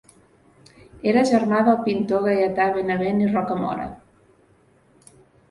Era germà del pintor Gaietà Benavent i Rocamora.